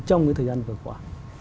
trong thời gian vừa qua